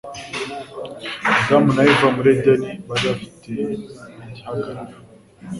damu na Eva muri Edeni bari bafite igihagararo